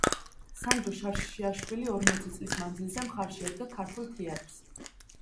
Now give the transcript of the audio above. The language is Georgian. სანდრო შანშიაშვილი ორმოცი წლის მანძილზე მხარში ედგა ქართულ თეატრს.